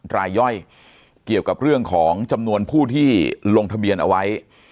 รายย่อยเกี่ยวกับเรื่องของจำนวนผู้ที่ลงทะเบียนเอาไว้